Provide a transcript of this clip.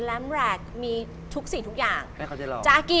เล่าได้